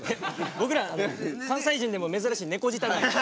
僕ら関西人でも珍しい猫舌なんで。